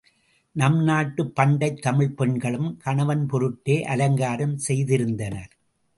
நம் நாட்டுப் பண்டைத் தமிழ்ப் பெண்களும், கணவன் பொருட்டே அலங்காரம் செய்திருந்தனர்.